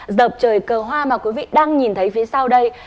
dợp trời cờ hoa mà quý vị đang nhìn thấy phía sau đây